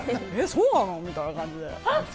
えっ、そうなのみたいな感じで。